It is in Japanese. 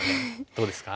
どうですか？